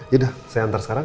yaudah saya antar sekarang